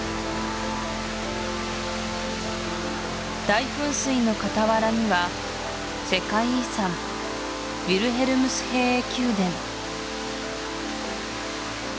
大噴水の傍らには世界遺産ヴィルヘルムスヘーエ宮殿